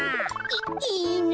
いいいな。